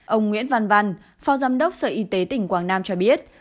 ông nguyễn văn văn phó giám đốc sở y tế tỉnh quảng nam cho biết